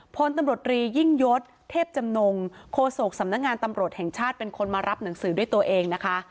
พลตำรวจรียิ่งยศเทพจำนงโคศกสำนักงานตำรวจแห่งชาติเป็นคนมารับหนังสือด้วยตัวเองนะคะ